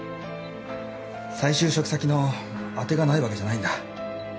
再就職先の当てがないわけじゃないんだ。